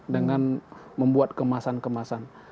dengan membuat kemasan kemasan